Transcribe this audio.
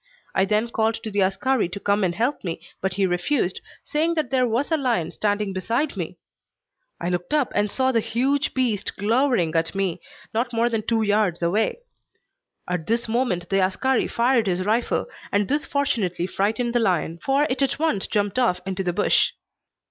I then called to the askari to come and help me, but he refused, saying that there was a lion standing beside me. I looked up and saw the huge beast glowering at me, not more than two yards away. At this moment the askari fired his rifle, and this fortunately frightened the lion, for it at once jumped off into the bush.